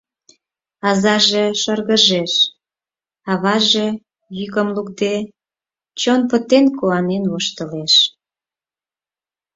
Азаже шыргыжеш, аваже, йӱкым лукде, чон пытен куанен воштылеш.